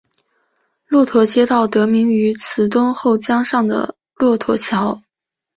骆驼街道得名于慈东后江上的骆驼桥。